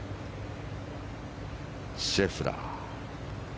シェフラー。